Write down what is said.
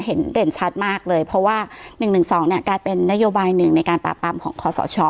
เด่นชัดมากเลยเพราะว่า๑๑๒เนี่ยกลายเป็นนโยบายหนึ่งในการปราบปรามของคอสช